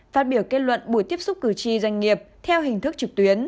phát biểu kết luận buổi tiếp xúc cử tri doanh nghiệp theo hình thức trực tuyến